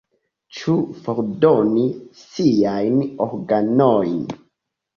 Ĉu fordoni siajn organojn?